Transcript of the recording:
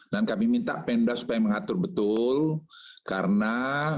dan kami minta pemda supaya mengatur betul karena